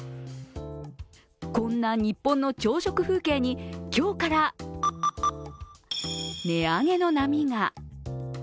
こんな日本の朝食風景に、今日から値上げの波が。